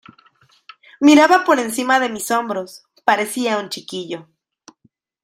Miraba por encima de mis hombros... parecía un chiquillo.